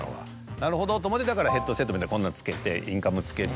なるほどと思ってだからヘッドセットみたいなこんなん付けて。